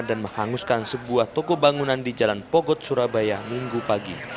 dan menghanguskan sebuah toko bangunan di jalan pogot surabaya minggu pagi